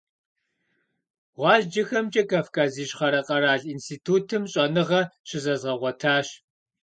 ГъуазджэхэмкӀэ Кавказ Ищхъэрэ къэрал институтым щӀэныгъэ щызэзгъэгъуэтащ.